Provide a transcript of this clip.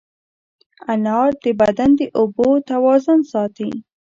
انار د بدن د اوبو توازن ساتي.